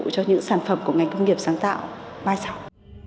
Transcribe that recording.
cho những sản phẩm của ngành công nghiệp sáng tạo vai sọc